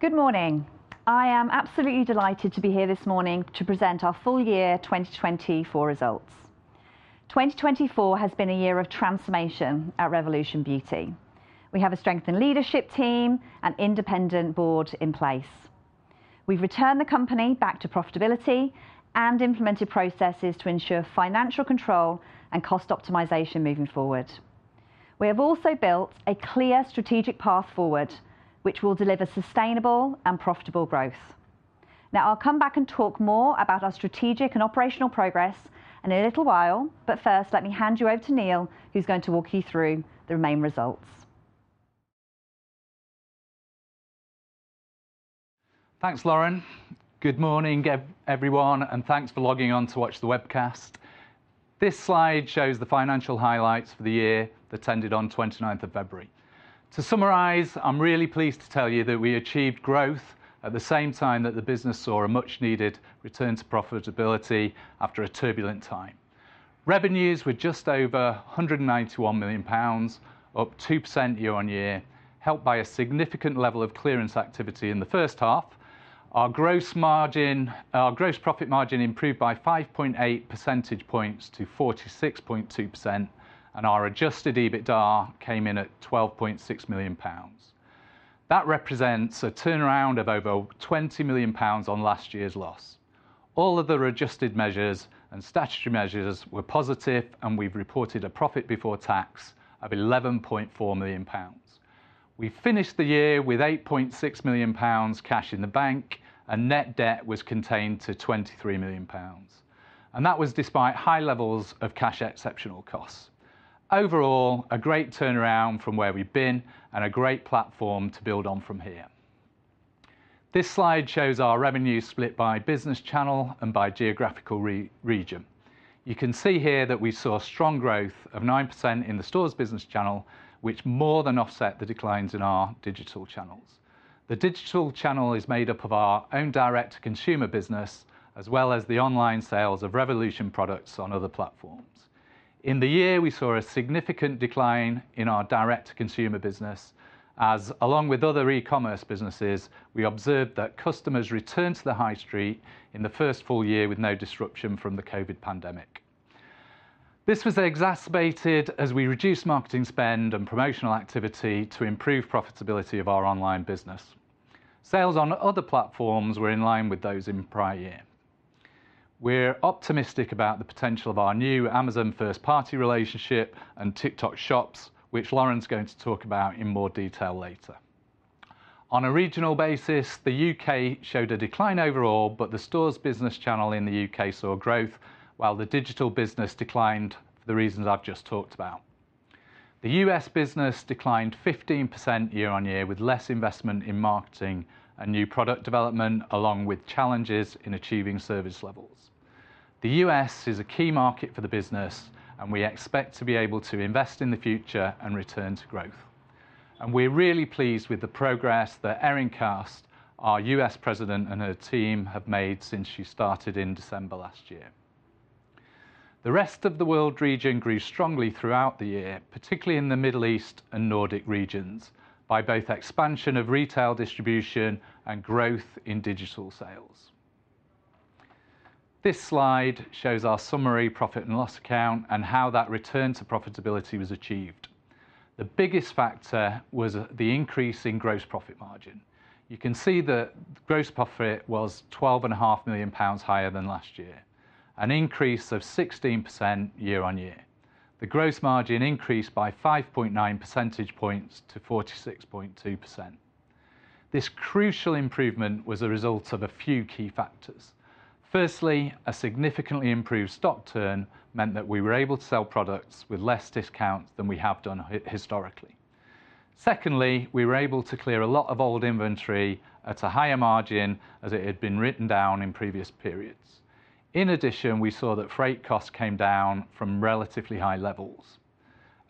Good morning. I am absolutely delighted to be here this morning to present our full year 2024 results. 2024 has been a year of transformation at Revolution Beauty. We have a strengthened leadership team, an independent board in place. We've returned the company back to profitability and implemented processes to ensure financial control and cost optimization moving forward. We have also built a clear strategic path forward, which will deliver sustainable and profitable growth. Now, I'll come back and talk more about our strategic and operational progress in a little while, but first, let me hand you over to Neil, who's going to walk you through the main results. Thanks, Lauren. Good morning, everyone, and thanks for logging on to watch the webcast. This slide shows the financial highlights for the year that ended on 29th of February. To summarize, I'm really pleased to tell you that we achieved growth at the same time that the business saw a much-needed return to profitability after a turbulent time. Revenues were just over 191 million pounds, up 2% year-on-year, helped by a significant level of clearance activity in the first half. Our gross margin... Our gross profit margin improved by 5.8 percentage points to 46.2%, and our adjusted EBITDA came in at 12.6 million pounds. That represents a turnaround of over 20 million pounds on last year's loss. All other adjusted measures and statutory measures were positive, and we've reported a profit before tax of 11.4 million pounds. We finished the year with 8.6 million pounds cash in the bank, and net debt was contained to 23 million pounds, and that was despite high levels of cash exceptional costs. Overall, a great turnaround from where we've been and a great platform to build on from here. This slide shows our revenue split by business channel and by geographical region. You can see here that we saw strong growth of 9% in the stores business channel, which more than offset the declines in our digital channels. The digital channel is made up of our own direct-to-consumer business, as well as the online sales of Revolution products on other platforms. In the year, we saw a significant decline in our direct-to-consumer business, as, along with other e-commerce businesses, we observed that customers returned to the high street in the first full year with no disruption from the COVID pandemic. This was exacerbated as we reduced marketing spend and promotional activity to improve profitability of our online business. Sales on other platforms were in line with those in prior year. We're optimistic about the potential of our new Amazon first-party relationship and TikTok shops, which Lauren's going to talk about in more detail later. On a regional basis, the U.K. showed a decline overall, but the stores business channel in the U.K. saw growth, while the digital business declined for the reasons I've just talked about. The U.S. business declined 15% year-on-year, with less investment in marketing and new product development, along with challenges in achieving service levels. The US is a key market for the business, and we expect to be able to invest in the future and return to growth, and we're really pleased with the progress that Erin Kast, our US President, and her team have made since she started in December last year. The rest of the world region grew strongly throughout the year, particularly in the Middle East and Nordic regions, by both expansion of retail distribution and growth in digital sales. This slide shows our summary profit and loss account and how that return to profitability was achieved. The biggest factor was the increase in gross profit margin. You can see the gross profit was 12.5 million pounds higher than last year, an increase of 16% year-on-year. The gross margin increased by 5.9 percentage points to 46.2%. This crucial improvement was a result of a few key factors. Firstly, a significantly improved stock turn meant that we were able to sell products with less discount than we have done historically. Secondly, we were able to clear a lot of old inventory at a higher margin, as it had been written down in previous periods. In addition, we saw that freight costs came down from relatively high levels.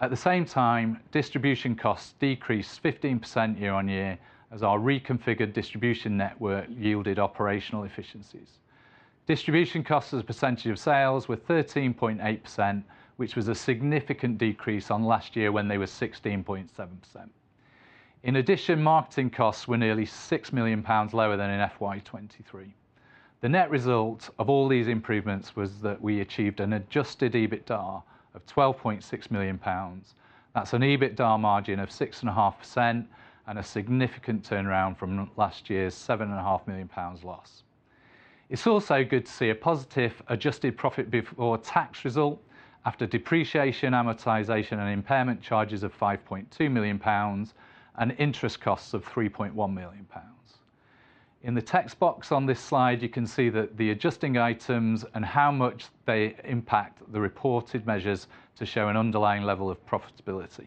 At the same time, distribution costs decreased 15% year-on-year as our reconfigured distribution network yielded operational efficiencies. Distribution costs as a percentage of sales were 13.8%, which was a significant decrease on last year, when they were 16.7%. In addition, marketing costs were nearly 6 million pounds lower than in FY 2023. The net result of all these improvements was that we achieved an adjusted EBITDA of 12.6 million pounds. That's an EBITDA margin of 6.5% and a significant turnaround from last year's 7.5 million pounds loss. It's also good to see a positive adjusted profit before tax result after depreciation, amortization, and impairment charges of 5.2 million pounds and interest costs of 3.1 million pounds. In the text box on this slide, you can see that the adjusting items and how much they impact the reported measures to show an underlying level of profitability.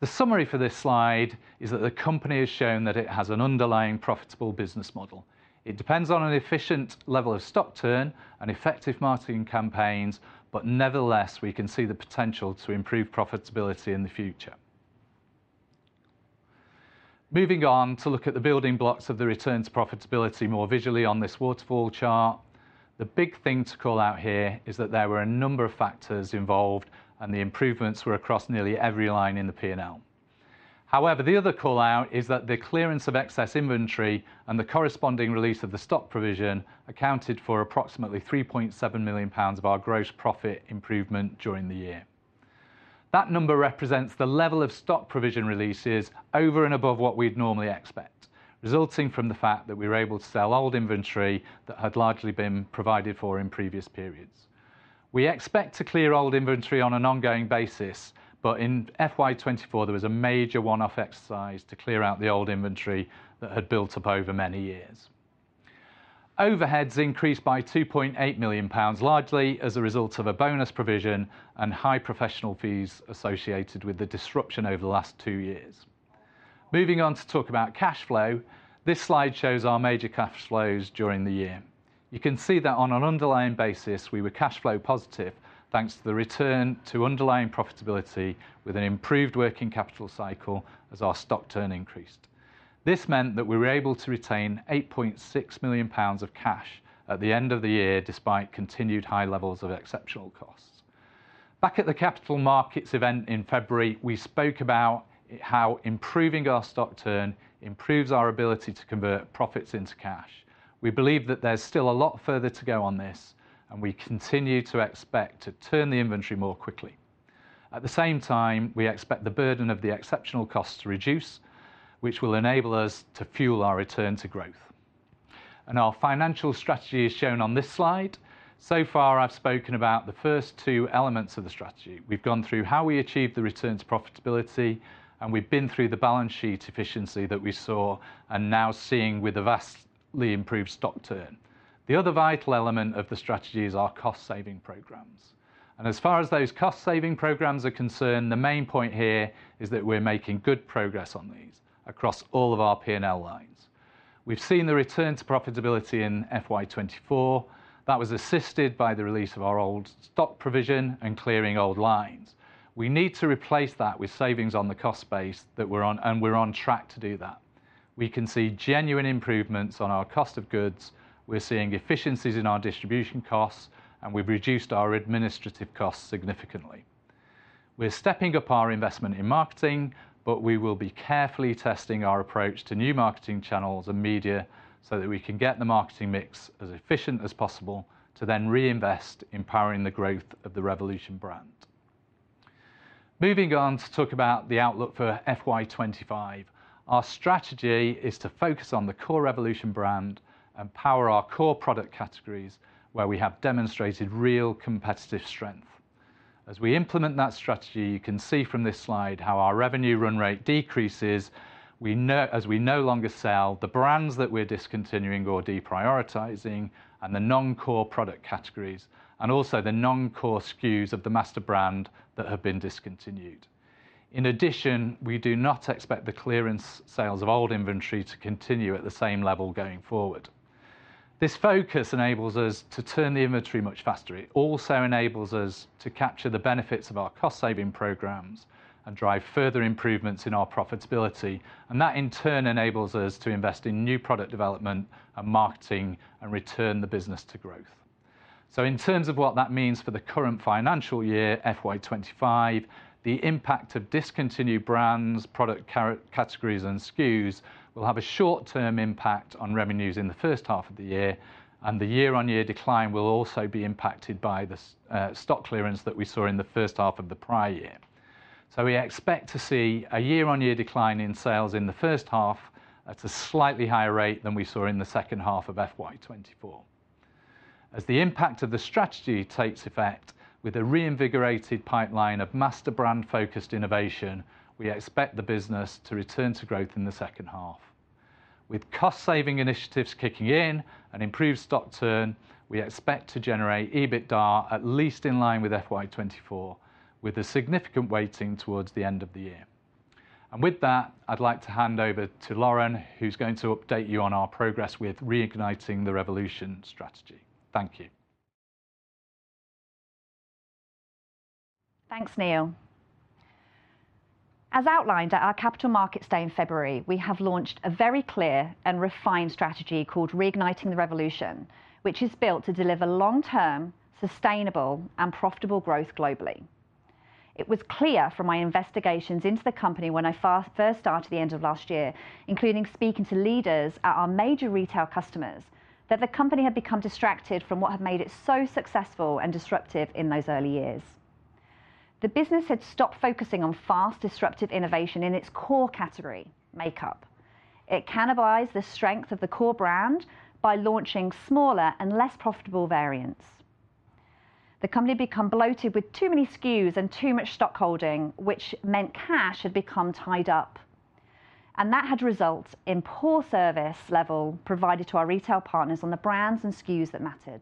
The summary for this slide is that the company has shown that it has an underlying profitable business model. It depends on an efficient level of stock turn and effective marketing campaigns, but nevertheless, we can see the potential to improve profitability in the future. Moving on to look at the building blocks of the return to profitability more visually on this waterfall chart. The big thing to call out here is that there were a number of factors involved, and the improvements were across nearly every line in the P&L. However, the other call-out is that the clearance of excess inventory and the corresponding release of the stock provision accounted for approximately 3.7 million pounds of our gross profit improvement during the year. That number represents the level of stock provision releases over and above what we'd normally expect, resulting from the fact that we were able to sell old inventory that had largely been provided for in previous periods. We expect to clear old inventory on an ongoing basis, but in FY 2024, there was a major one-off exercise to clear out the old inventory that had built up over many years. Overheads increased by 2.8 million pounds, largely as a result of a bonus provision and high professional fees associated with the disruption over the last two years. Moving on to talk about cash flow, this slide shows our major cash flows during the year. You can see that on an underlying basis, we were cash flow positive, thanks to the return to underlying profitability with an improved working capital cycle as our stock turn increased. This meant that we were able to retain 8.6 million pounds of cash at the end of the year, despite continued high levels of exceptional costs. Back at the capital markets event in February, we spoke about how improving our stock turn improves our ability to convert profits into cash. We believe that there's still a lot further to go on this, and we continue to expect to turn the inventory more quickly. At the same time, we expect the burden of the exceptional costs to reduce, which will enable us to fuel our return to growth. Our financial strategy is shown on this slide. So far, I've spoken about the first two elements of the strategy. We've gone through how we achieved the return to profitability, and we've been through the balance sheet efficiency that we saw and now seeing with a vastly improved stock turn. The other vital element of the strategy is our cost-saving programs. As far as those cost-saving programs are concerned, the main point here is that we're making good progress on these across all of our P&L lines. We've seen the return to profitability in FY 2024. That was assisted by the release of our old stock provision and clearing old lines. We need to replace that with savings on the cost base that we're on, and we're on track to do that. We can see genuine improvements on our cost of goods, we're seeing efficiencies in our distribution costs, and we've reduced our administrative costs significantly. We're stepping up our investment in marketing, but we will be carefully testing our approach to new marketing channels and media so that we can get the marketing mix as efficient as possible to then reinvest in powering the growth of the Revolution brand. Moving on to talk about the outlook for FY 2025. Our strategy is to focus on the core Revolution brand and power our core product categories, where we have demonstrated real competitive strength. As we implement that strategy, you can see from this slide how our revenue run rate decreases, as we no longer sell the brands that we're discontinuing or deprioritizing and the non-core product categories, and also the non-core SKUs of the master brand that have been discontinued. In addition, we do not expect the clearance sales of old inventory to continue at the same level going forward. This focus enables us to turn the inventory much faster. It also enables us to capture the benefits of our cost-saving programs and drive further improvements in our profitability, and that, in turn, enables us to invest in new product development and marketing and return the business to growth. So in terms of what that means for the current financial year, FY 2025, the impact of discontinued brands, product categories, and SKUs will have a short-term impact on revenues in the first half of the year, and the year-on-year decline will also be impacted by the stock clearance that we saw in the first half of the prior year. So we expect to see a year-on-year decline in sales in the first half at a slightly higher rate than we saw in the second half of FY 2024. As the impact of the strategy takes effect with a reinvigorated pipeline of master brand-focused innovation, we expect the business to return to growth in the second half. With cost-saving initiatives kicking in and improved stock turn, we expect to generate EBITDA at least in line with FY 2024, with a significant weighting towards the end of the year. With that, I'd like to hand over to Lauren, who's going to update you on our progress with Reigniting the Revolution strategy. Thank you. Thanks, Neil. As outlined at our Capital Markets Day in February, we have launched a very clear and refined strategy called Reigniting the Revolution, which is built to deliver long-term, sustainable, and profitable growth globally. It was clear from my investigations into the company when I first started at the end of last year, including speaking to leaders at our major retail customers, that the company had become distracted from what had made it so successful and disruptive in those early years. The business had stopped focusing on fast, disruptive innovation in its core category: makeup. It cannibalized the strength of the core brand by launching smaller and less profitable variants. The company had become bloated with too many SKUs and too much stockholding, which meant cash had become tied up, and that had resulted in poor service level provided to our retail partners on the brands and SKUs that mattered.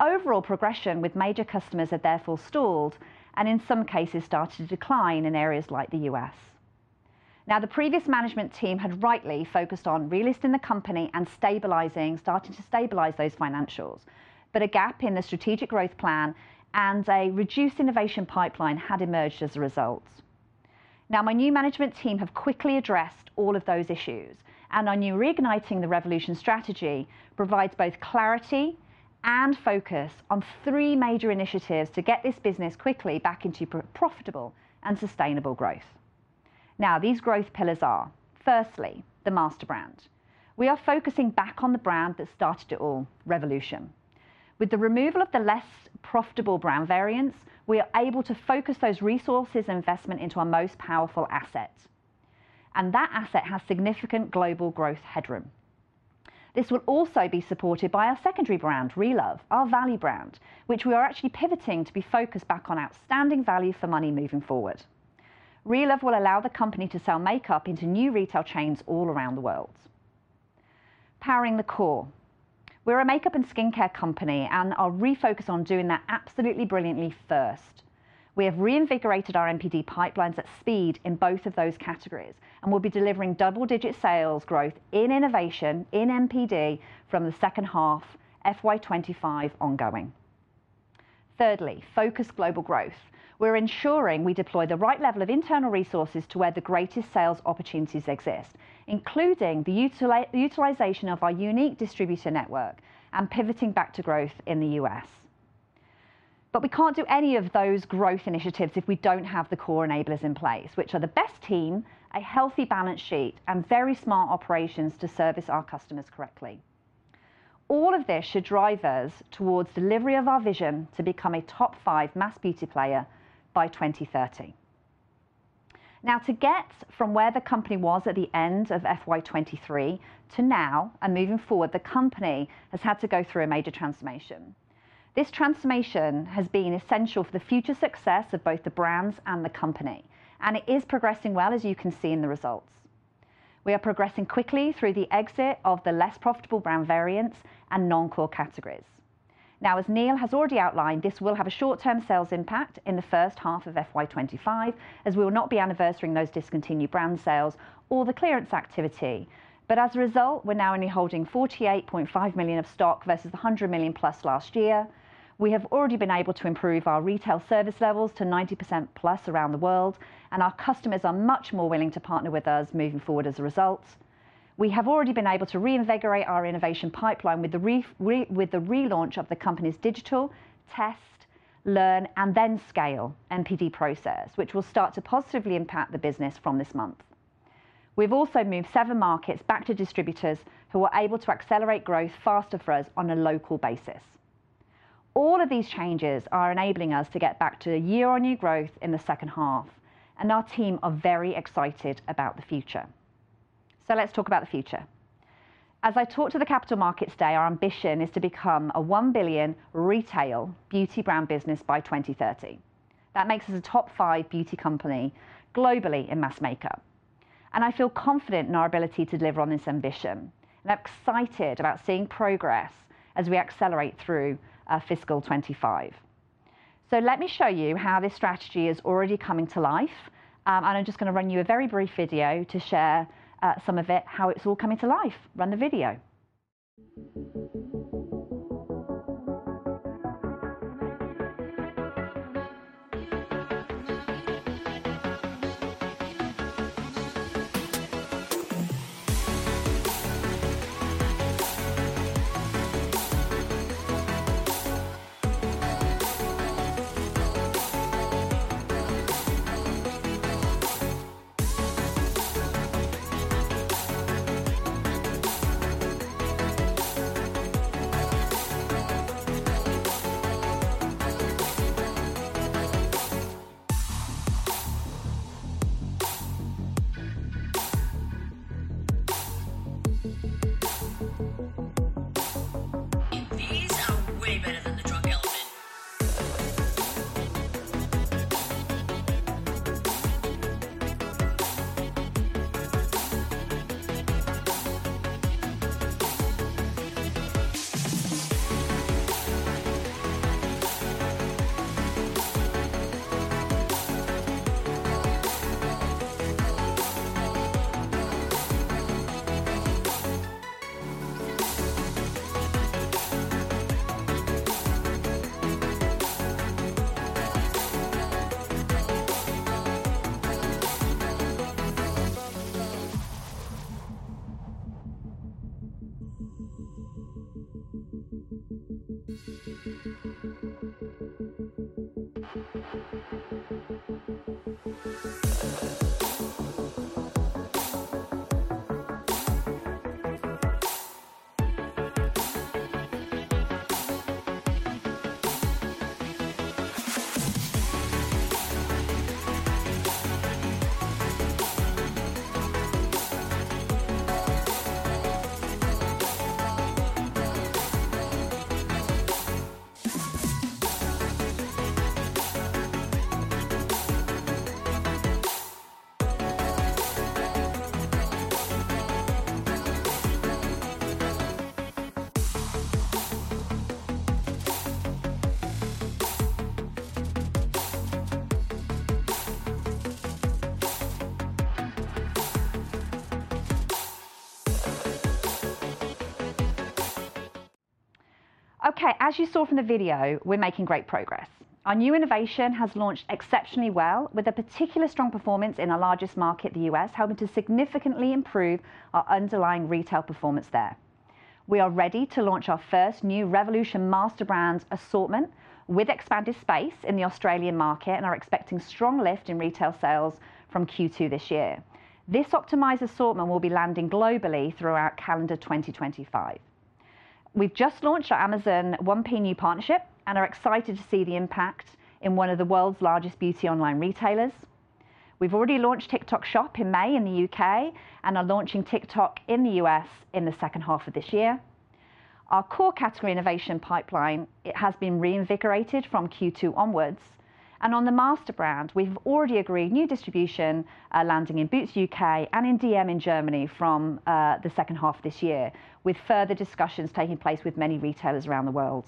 Overall progression with major customers had therefore stalled and, in some cases, started to decline in areas like the U.S. Now, the previous management team had rightly focused on relisting the company and stabilizing, starting to stabilize those financials, but a gap in the strategic growth plan and a reduced innovation pipeline had emerged as a result. Now, my new management team have quickly addressed all of those issues, and our new Reigniting the Revolution strategy provides both clarity and focus on three major initiatives to get this business quickly back into profitable and sustainable growth. Now, these growth pillars are, firstly, the master brand. We are focusing back on the brand that started it all, Revolution. With the removal of the less profitable brand variants, we are able to focus those resources and investment into our most powerful asset, and that asset has significant global growth headroom. This will also be supported by our secondary brand, Relove, our value brand, which we are actually pivoting to be focused back on outstanding value for money moving forward. Relove will allow the company to sell makeup into new retail chains all around the world. Powering the core. We're a makeup and skincare company, and are refocused on doing that absolutely brilliantly first. We have reinvigorated our NPD pipelines at speed in both of those categories, and we'll be delivering double-digit sales growth in innovation, in NPD, from the second half FY25 ongoing. Thirdly, focused global growth. We're ensuring we deploy the right level of internal resources to where the greatest sales opportunities exist, including the utilization of our unique distributor network and pivoting back to growth in the U.S. But we can't do any of those growth initiatives if we don't have the core enablers in place, which are the best team, a healthy balance sheet, and very smart operations to service our customers correctly. All of this should drive us towards delivery of our vision to become a top five mass beauty player by 2030. Now, to get from where the company was at the end of FY 2023 to now and moving forward, the company has had to go through a major transformation. This transformation has been essential for the future success of both the brands and the company, and it is progressing well, as you can see in the results. We are progressing quickly through the exit of the less profitable brand variants and non-core categories. Now, as Neil has already outlined, this will have a short-term sales impact in the first half of FY 2025, as we will not be anniversarying those discontinued brand sales or the clearance activity. But as a result, we're now only holding 48.5 million of stock versus the 100 million+ last year. We have already been able to improve our retail service levels to 90%+ around the world, and our customers are much more willing to partner with us moving forward as a result. We have already been able to reinvigorate our innovation pipeline with the relaunch of the company's digital test, learn, and then scale NPD process, which will start to positively impact the business from this month. We've also moved seven markets back to distributors who are able to accelerate growth faster for us on a local basis. All of these changes are enabling us to get back to year-on-year growth in the second half, and our team are very excited about the future. So let's talk about the future. As I talked to the Capital Markets Day, our ambition is to become a 1 billion retail beauty brand business by 2030. That makes us a top five beauty company globally in mass makeup, and I feel confident in our ability to deliver on this ambition, and I'm excited about seeing progress as we accelerate through fiscal 2025. So let me show you how this strategy is already coming to life, and I'm just going to run you a very brief video to share some of it, how it's all coming to life. Run the video. These are way better than the Drunk Elephant.... Okay, as you saw from the video, we're making great progress. Our new innovation has launched exceptionally well, with a particular strong performance in our largest market, the U.S., helping to significantly improve our underlying retail performance there. We are ready to launch our first new Revolution master brand assortment with expanded space in the Australian market and are expecting strong lift in retail sales from Q2 this year. This optimized assortment will be landing globally throughout calendar 2025. We've just launched our Amazon 1P new partnership and are excited to see the impact in one of the world's largest beauty online retailers. We've already launched TikTok Shop in May in the U.K. and are launching TikTok in the U.S. in the second half of this year. Our core category innovation pipeline, it has been reinvigorated from Q2 onwards, and on the master brand, we have already agreed new distribution, landing in Boots U.K. and in dm in Germany from the second half of this year, with further discussions taking place with many retailers around the world.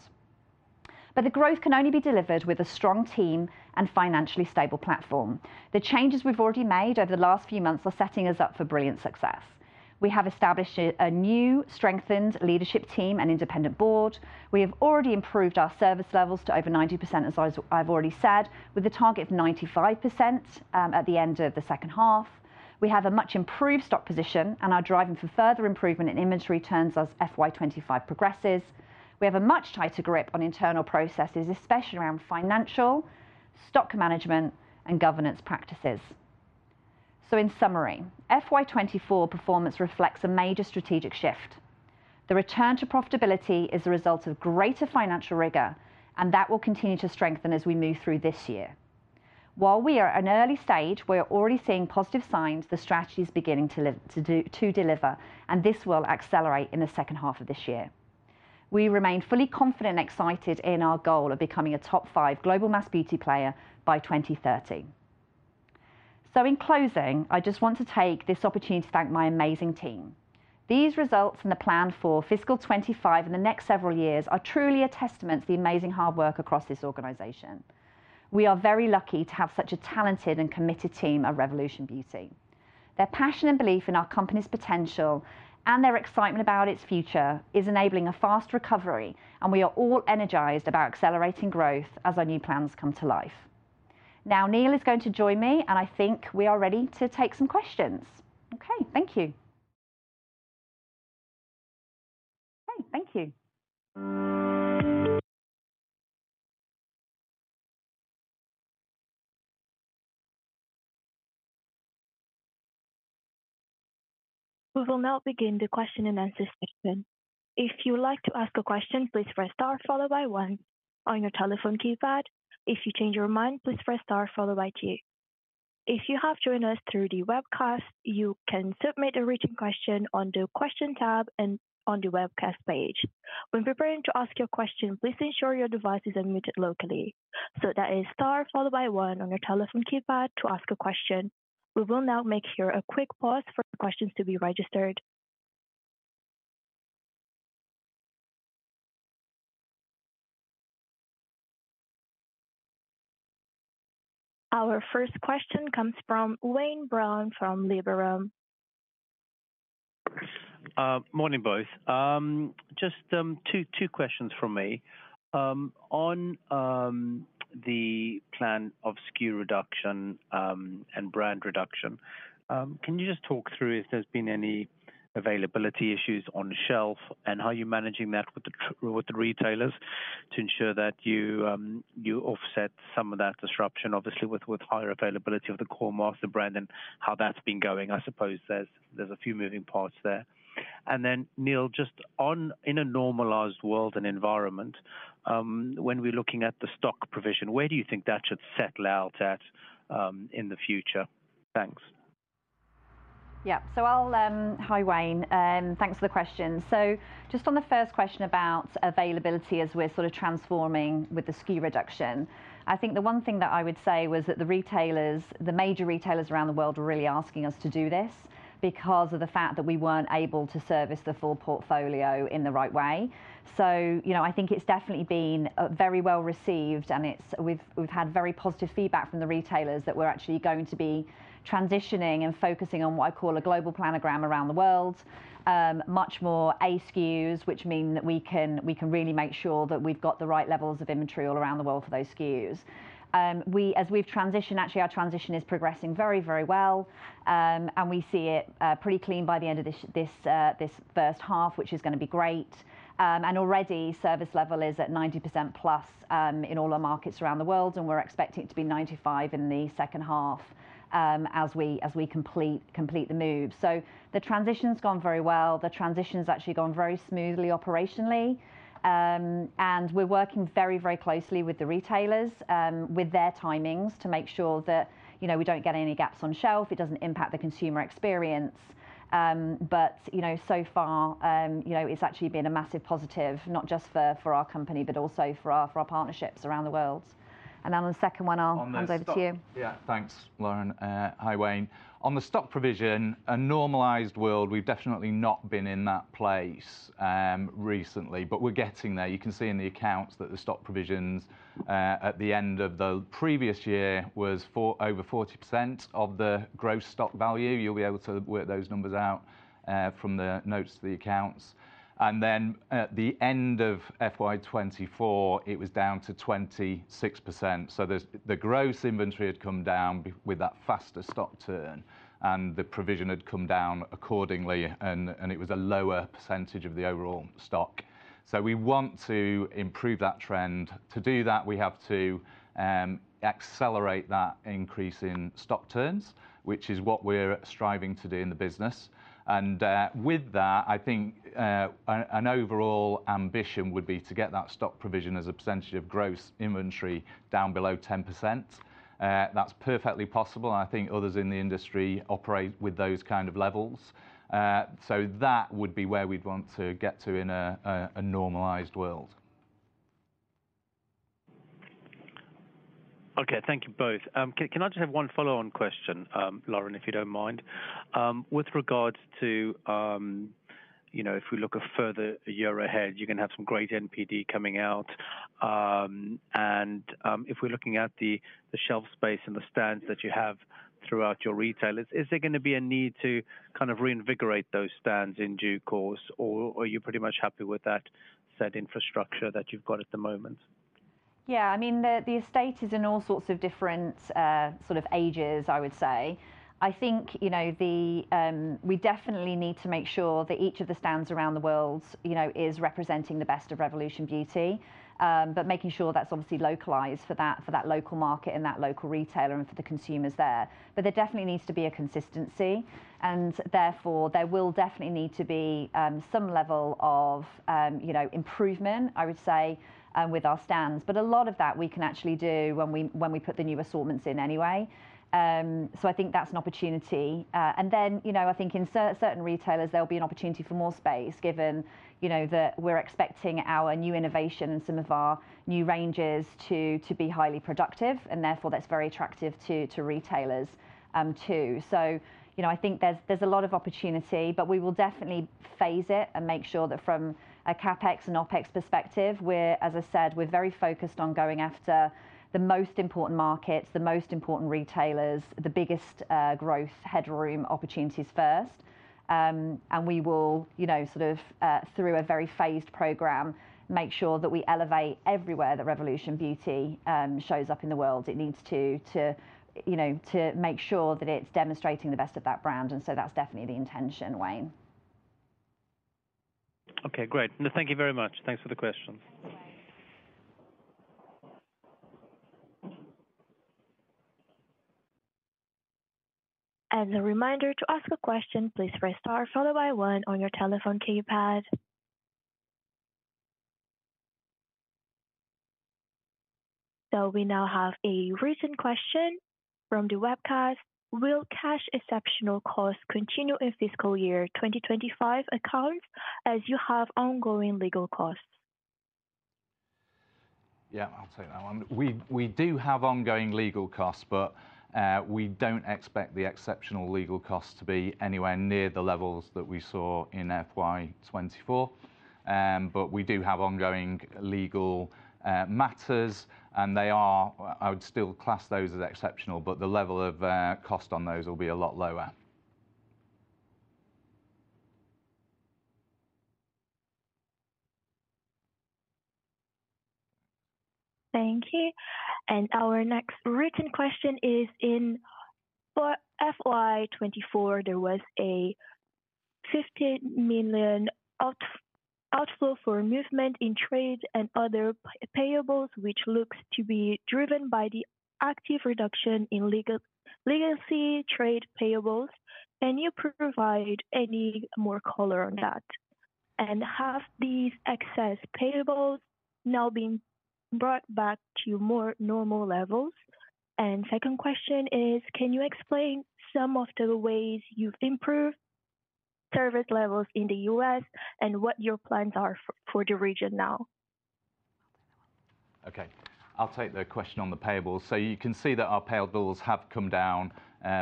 But the growth can only be delivered with a strong team and financially stable platform. The changes we've already made over the last few months are setting us up for brilliant success. We have established a new strengthened leadership team and independent board. We have already improved our service levels to over 90%, as I've already said, with a target of 95% at the end of the second half. We have a much improved stock position and are driving for further improvement in inventory turns as FY 2025 progresses. We have a much tighter grip on internal processes, especially around financial, stock management, and governance practices. In summary, FY 2024 performance reflects a major strategic shift. The return to profitability is a result of greater financial rigor, and that will continue to strengthen as we move through this year. While we are at an early stage, we are already seeing positive signs the strategy is beginning to deliver, and this will accelerate in the second half of this year. We remain fully confident and excited in our goal of becoming a top 5 global mass beauty player by 2030. In closing, I just want to take this opportunity to thank my amazing team. These results and the plan for fiscal 2025 and the next several years are truly a testament to the amazing hard work across this organization. We are very lucky to have such a talented and committed team at Revolution Beauty. Their passion and belief in our company's potential and their excitement about its future is enabling a fast recovery, and we are all energized about accelerating growth as our new plans come to life. Now, Neil is going to join me, and I think we are ready to take some questions. Okay, thank you. Okay, thank you. We will now begin the question and answer session. If you would like to ask a question, please press star followed by one on your telephone keypad. If you change your mind, please press star followed by two. If you have joined us through the webcast, you can submit a written question on the Question tab and on the Webcast page. When preparing to ask your question, please ensure your device is unmuted locally. So that is star followed by one on your telephone keypad to ask a question. We will now make sure a quick pause for questions to be registered. Our first question comes from Wayne Brown from Liberum. Morning, both. Just two questions from me. On the plan of SKU reduction and brand reduction, can you just talk through if there's been any availability issues on shelf and how you're managing that with the retailers to ensure that you offset some of that disruption, obviously, with higher availability of the core master brand and how that's been going? I suppose there's a few moving parts there. Then, Neil, just on in a normalized world and environment, when we're looking at the stock provision, where do you think that should settle out at in the future? Thanks. Yeah. So I'll... Hi, Wayne, thanks for the question. So just on the first question about availability as we're sort of transforming with the SKU reduction, I think the one thing that I would say was that the retailers, the major retailers around the world, are really asking us to do this because of the fact that we weren't able to service the full portfolio in the right way. So, you know, I think it's definitely been very well received, and we've had very positive feedback from the retailers that we're actually going to be transitioning and focusing on what I call a global planogram around the world. Much more A SKUs, which mean that we can really make sure that we've got the right levels of inventory all around the world for those SKUs. We, as we've transitioned, actually, our transition is progressing very, very well, and we see it pretty clean by the end of this first half, which is gonna be great. And already, service level is at 90%+ in all our markets around the world, and we're expecting it to be 95% in the second half, as we complete the move. So the transition's gone very well. The transition's actually gone very smoothly operationally. And we're working very, very closely with the retailers, with their timings, to make sure that, you know, we don't get any gaps on shelf, it doesn't impact the consumer experience. But, you know, so far, you know, it's actually been a massive positive, not just for our company, but also for our partnerships around the world. And on the second one, I'll- On the stock- Hand over to you. Yeah, thanks, Lauren. Hi, Wayne. On the stock provision, a normalized world, we've definitely not been in that place recently, but we're getting there. You can see in the accounts that the stock provisions at the end of the previous year was over 40% of the gross stock value. You'll be able to work those numbers out from the notes to the accounts. And then at the end of FY 2024, it was down to 26%. The gross inventory had come down with that faster stock turn, and the provision had come down accordingly, and it was a lower percentage of the overall stock. So we want to improve that trend. To do that, we have to accelerate that increase in stock turns, which is what we're striving to do in the business. With that, I think an overall ambition would be to get that stock provision as a percentage of gross inventory down below 10%. That's perfectly possible, and I think others in the industry operate with those kind of levels. So that would be where we'd want to get to in a normalized world. Okay, thank you both. Can I just have one follow-on question, Lauren, if you don't mind? With regards to, you know, if we look a further a year ahead, you're gonna have some great NPD coming out. If we're looking at the shelf space and the stands that you have throughout your retailers, is there gonna be a need to kind of reinvigorate those stands in due course, or are you pretty much happy with that said infrastructure that you've got at the moment? Yeah, I mean, the estate is in all sorts of different sort of ages, I would say. I think, you know, We definitely need to make sure that each of the stands around the world, you know, is representing the best of Revolution Beauty, but making sure that's obviously localized for that local market and that local retailer and for the consumers there. But there definitely needs to be a consistency, and therefore, there will definitely need to be some level of, you know, improvement, I would say, with our stands. But a lot of that we can actually do when we put the new assortments in anyway. So I think that's an opportunity. And then, you know, I think in certain retailers, there'll be an opportunity for more space, given, you know, that we're expecting our new innovation and some of our new ranges to, to be highly productive, and therefore, that's very attractive to, to retailers, too. So, you know, I think there's, there's a lot of opportunity, but we will definitely phase it and make sure that from a CapEx and OpEx perspective, we're, as I said, we're very focused on going after the most important markets, the most important retailers, the biggest, growth headroom opportunities first. And we will, you know, sort of, through a very phased program, make sure that we elevate everywhere that Revolution Beauty shows up in the world. It needs to, you know, to make sure that it's demonstrating the best of that brand, and so that's definitely the intention, Wayne. Okay, great. No, thank you very much. Thanks for the questions. As a reminder, to ask a question, please press star followed by one on your telephone keypad. So we now have a written question from the webcast. Will cash exceptional costs continue in fiscal year 2025 accounts, as you have ongoing legal costs? Yeah, I'll take that one. We do have ongoing legal costs, but we don't expect the exceptional legal costs to be anywhere near the levels that we saw in FY 2024. But we do have ongoing legal matters, and they are... I would still class those as exceptional, but the level of cost on those will be a lot lower. Thank you. And our next written question is: In FY 2024, there was a 50 million outflow for movement in trade and other payables, which looks to be driven by the active reduction in legacy trade payables. Can you provide any more color on that? And have these excess payables now been brought back to more normal levels? And second question is, can you explain some of the ways you've improved service levels in the US and what your plans are for the region now? Okay, I'll take the question on the payables. So you can see that our payables have come down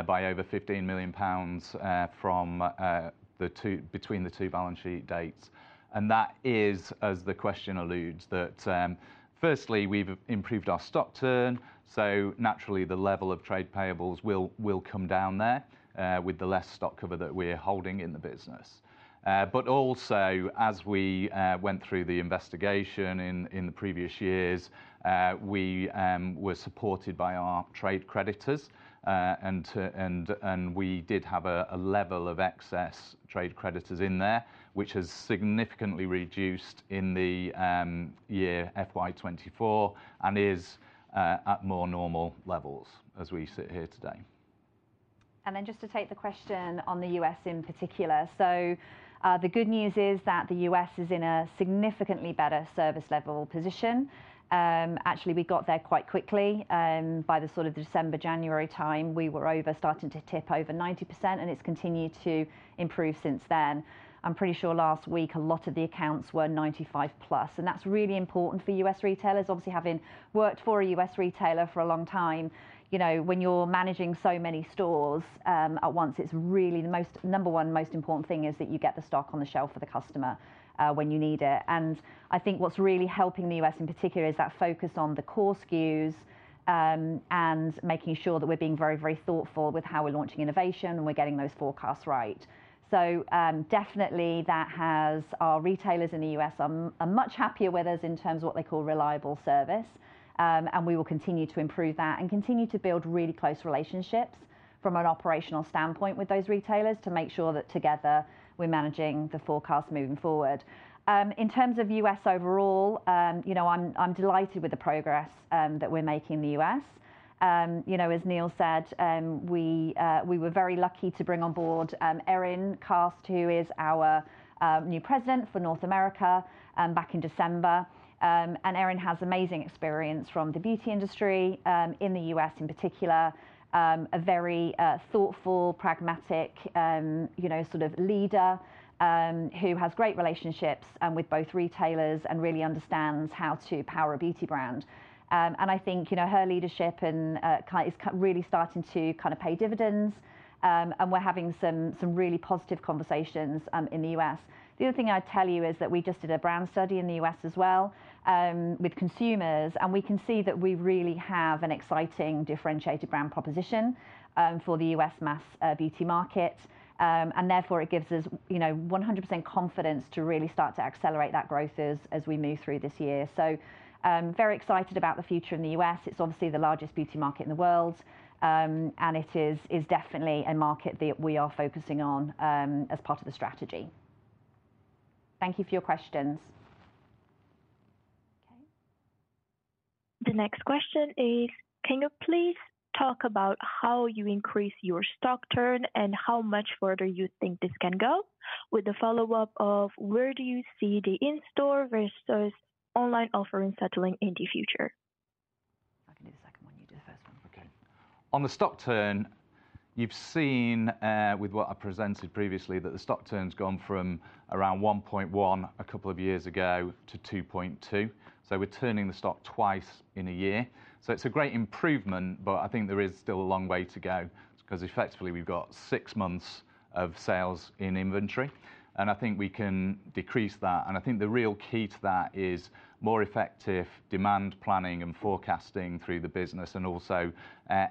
by over 15 million pounds from between the two balance sheet dates. And that is, as the question alludes, that firstly, we've improved our stock turn, so naturally, the level of trade payables will come down there with the less stock cover that we're holding in the business. But also, as we went through the investigation in the previous years, we were supported by our trade creditors. We did have a level of excess trade creditors in there, which has significantly reduced in the year FY 2024 and is at more normal levels as we sit here today. Then just to take the question on the U.S. in particular. The good news is that the U.S. is in a significantly better service level position. Actually, we got there quite quickly. By the sort of December, January time, we were over starting to tip over 90%, and it's continued to improve since then. I'm pretty sure last week a lot of the accounts were 95+, and that's really important for U.S. retailers. Obviously, having worked for a U.S. retailer for a long time, you know, when you're managing so many stores, at once, it's really the number one most important thing is that you get the stock on the shelf for the customer, when you need it. I think what's really helping the U.S. in particular is that focus on the core SKUs, and making sure that we're being very, very thoughtful with how we're launching innovation, and we're getting those forecasts right. So, definitely, that has our retailers in the U.S. are much happier with us in terms of what they call reliable service. And we will continue to improve that and continue to build really close relationships from an operational standpoint with those retailers to make sure that together, we're managing the forecast moving forward. In terms of U.S. overall, you know, I'm delighted with the progress that we're making in the U.S. You know, as Neil said, we were very lucky to bring on board Erin Kast, who is our new President for North America, back in December. And Erin has amazing experience from the beauty industry in the U.S. in particular, a very thoughtful, pragmatic, you know, sort of leader who has great relationships with both retailers and really understands how to power a beauty brand. And I think, you know, her leadership and really starting to kind of pay dividends. And we're having some really positive conversations in the U.S. The other thing I'd tell you is that we just did a brand study in the U.S. as well with consumers, and we can see that we really have an exciting, differentiated brand proposition for the U.S. mass beauty market. And therefore, it gives us, you know, 100% confidence to really start to accelerate that growth as we move through this year. So, very excited about the future in the U.S. It's obviously the largest beauty market in the world. And it is definitely a market that we are focusing on as part of the strategy. Thank you for your questions. Okay. The next question is: Can you please talk about how you increase your stock turn and how much further you think this can go? With a follow-up of: Where do you see the in-store versus online offering settling in the future? I can do the second one. You do the first one. Okay. On the stock turn, you've seen, with what I presented previously, that the stock turn's gone from around 1.1 a couple of years ago to 2.2. So we're turning the stock twice in a year. So it's a great improvement, but I think there is still a long way to go, 'cause effectively, we've got six months of sales in inventory, and I think we can decrease that. And I think the real key to that is more effective demand planning and forecasting through the business, and also,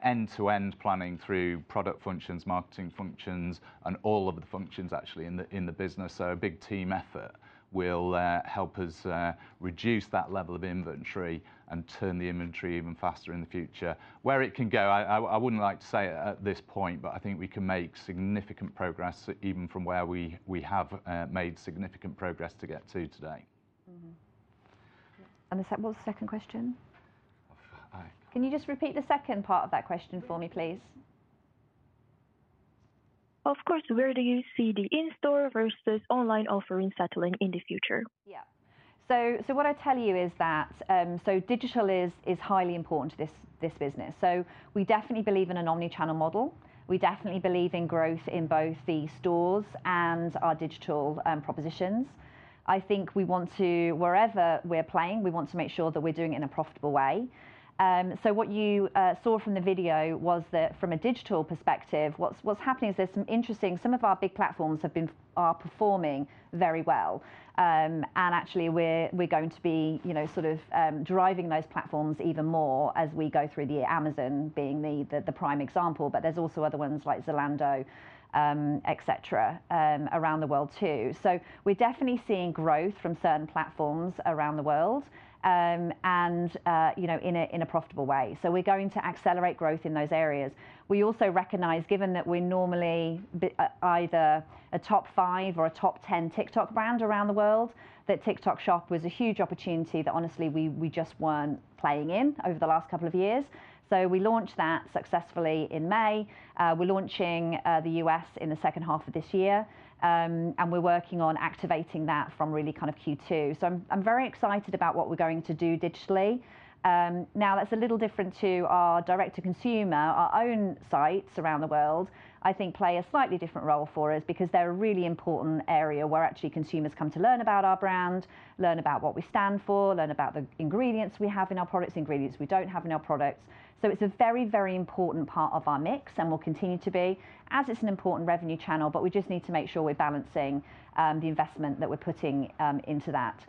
end-to-end planning through product functions, marketing functions, and all of the functions, actually, in the business. So a big team effort will help us reduce that level of inventory and turn the inventory even faster in the future. Where it can go, I wouldn't like to say at this point, but I think we can make significant progress, even from where we have made significant progress to get to today. Mm-hmm. And is that... What was the second question? Uh, I- Can you just repeat the second part of that question for me, please? Of course. Where do you see the in-store versus online offering settling in the future? Yeah. So what I tell you is that, so digital is highly important to this business. So we definitely believe in an omnichannel model. We definitely believe in growth in both the stores and our digital propositions. I think we want to... Wherever we're playing, we want to make sure that we're doing it in a profitable way. So what you saw from the video was that from a digital perspective, what's happening is there's some interesting, some of our big platforms are performing very well. And actually, we're going to be, you know, sort of driving those platforms even more as we go through the year, Amazon being the prime example, but there's also other ones like Zalando, et cetera, around the world, too. So we're definitely seeing growth from certain platforms around the world, and, you know, in a profitable way. So we're going to accelerate growth in those areas. We also recognize, given that we're normally either a top five or a top 10 TikTok brand around the world, that TikTok Shop was a huge opportunity that honestly, we just weren't playing in over the last couple of years. So we launched that successfully in May. We're launching the U.S. in the second half of this year. And we're working on activating that from really kind of Q2. So I'm very excited about what we're going to do digitally. Now, that's a little different to our direct-to-consumer. Our own sites around the world, I think, play a slightly different role for us because they're a really important area where actually consumers come to learn about our brand, learn about what we stand for, learn about the ingredients we have in our products, ingredients we don't have in our products. So it's a very, very important part of our mix and will continue to be, as it's an important revenue channel, but we just need to make sure we're balancing the investment that we're putting into that.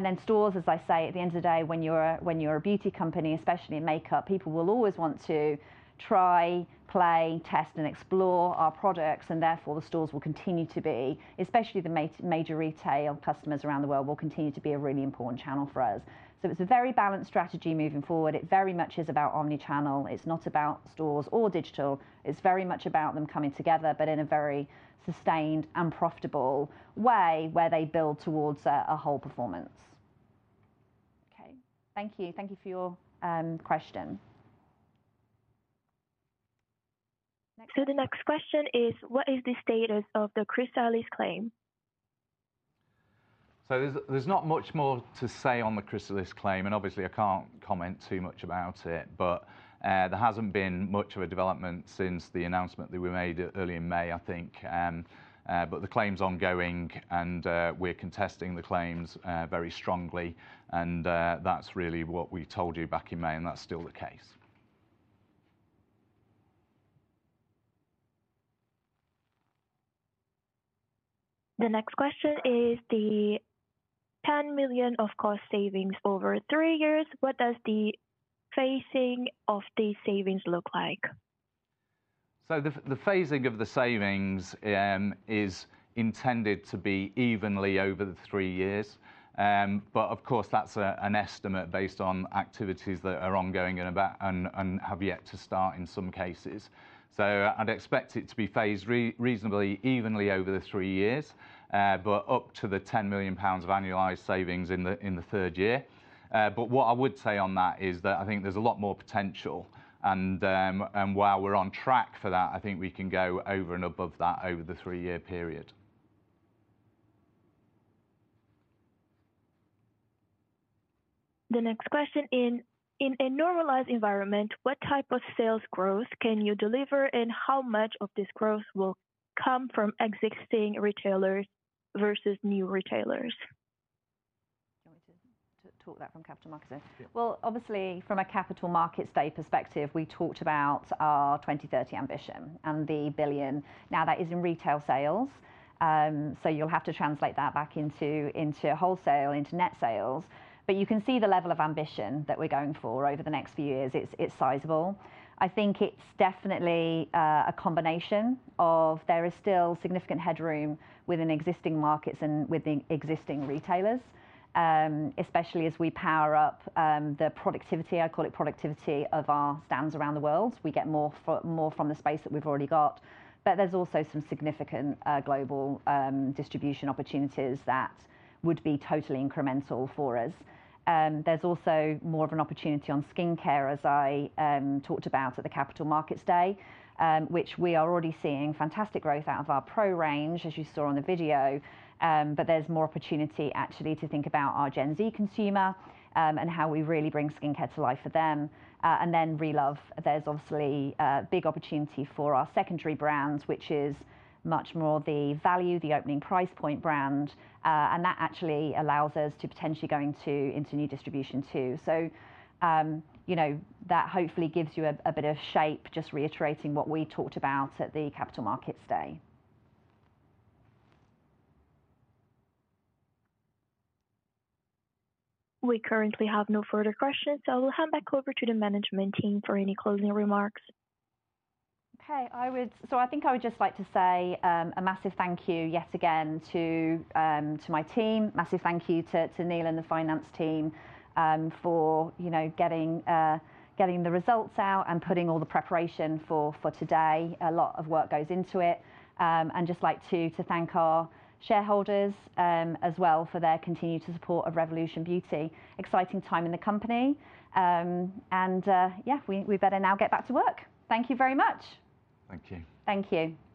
Then stores, as I say, at the end of the day, when you're a beauty company, especially in makeup, people will always want to try, play, test, and explore our products, and therefore, the stores will continue to be, especially the major retail customers around the world, will continue to be a really important channel for us. It's a very balanced strategy moving forward. It very much is about omnichannel. It's not about stores or digital. It's very much about them coming together, but in a very sustained and profitable way, where they build towards a whole performance. Thank you. Thank you for your question. The next question is, what is the status of the Chrysalis claim? So there's not much more to say on the Chrysalis claim, and obviously, I can't comment too much about it. But, there hasn't been much of a development since the announcement that we made early in May, I think. But the claim's ongoing, and, we're contesting the claims, very strongly, and, that's really what we told you back in May, and that's still the case. The next question is the 10 million of cost savings over three years, what does the phasing of these savings look like? So the phasing of the savings is intended to be evenly over the three years. But of course, that's an estimate based on activities that are ongoing and have yet to start in some cases. So I'd expect it to be phased reasonably evenly over the three years, but up to 10 million pounds of annualized savings in the third year. But what I would say on that is that I think there's a lot more potential, and while we're on track for that, I think we can go over and above that over the three-year period. The next question: in a normalized environment, what type of sales growth can you deliver, and how much of this growth will come from existing retailers versus new retailers? Do you want me to talk that from capital markets then? Yeah. Well, obviously, from a capital markets day perspective, we talked about our 2030 ambition and the billion. Now, that is in retail sales, so you'll have to translate that back into, into wholesale, into net sales. But you can see the level of ambition that we're going for over the next few years. It's, it's sizable. I think it's definitely a combination of there is still significant headroom within existing markets and with the existing retailers, especially as we power up the productivity, I call it productivity, of our stands around the world. We get more more from the space that we've already got. But there's also some significant global distribution opportunities that would be totally incremental for us. There's also more of an opportunity on skincare, as I talked about at the Capital Markets Day, which we are already seeing fantastic growth out of our Pro range, as you saw on the video. But there's more opportunity actually to think about our Gen Z consumer, and how we really bring skincare to life for them. And then Relove, there's obviously a big opportunity for our secondary brands, which is much more the value, the opening price point brand. And that actually allows us to potentially go into, into new distribution too. So, you know, that hopefully gives you a bit of shape, just reiterating what we talked about at the Capital Markets Day. We currently have no further questions, so we'll hand back over to the management team for any closing remarks. Okay. So I think I would just like to say a massive thank you yet again to my team. Massive thank you to Neil and the finance team for, you know, getting the results out and putting all the preparation for today. A lot of work goes into it. Just like to thank our shareholders as well for their continued support of Revolution Beauty. Exciting time in the company. Yeah, we better now get back to work. Thank you very much. Thank you. Thank you.